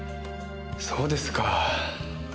そうですか。